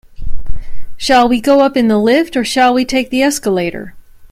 Shall we go up in the lift, or shall we take the escalator?